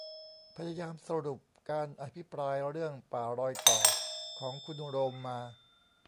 พยายามสรุปการอภิปรายเรื่อง ป่ารอยต่อ ของคุณโรมมา